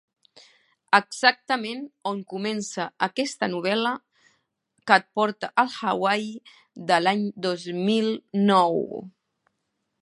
Exactament on comença aquesta novel·la que et porta al Hawaii de l'any dos mil nou.